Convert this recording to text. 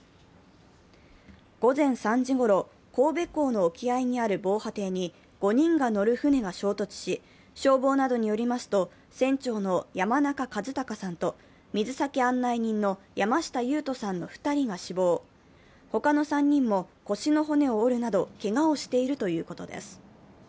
午前３時ごろ、神戸港の沖合にある防波堤に５人が乗る船が衝突し、消防などによりますと船長の山中和孝さんと水先案内人の山下勇人さんの２人が死亡、他の３人も腰の骨を折るなど、けがをしているということです。